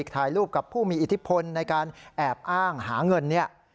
ถ่ายรูปกับผู้มีอิทธิพลในการแอบอ้างหาเงินเนี่ย